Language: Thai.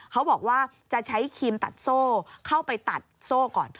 เขาบอกว่าจะใช้ครีมตัดโซ่เข้าไปตัดโซ่ก่อน